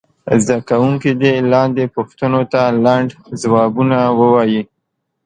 زده کوونکي دې لاندې پوښتنو ته لنډ ځوابونه ووایي.